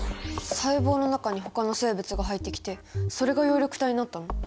細胞の中にほかの生物が入ってきてそれが葉緑体になったの？